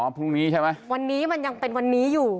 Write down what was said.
พรุ่งนี้ใช่ไหมวันนี้มันยังเป็นวันนี้อยู่